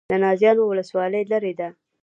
د نازیانو ولسوالۍ لیرې ده